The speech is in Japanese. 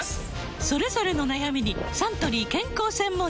それぞれの悩みにサントリー健康専門茶